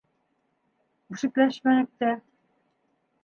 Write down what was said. Үсекләшмәнек тә.